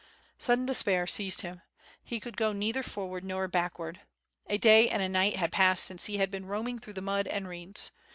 Sudden despair seized him. He could go neither forward nor backward. A day and a night had passed since he had been roaming through the mud and reeds.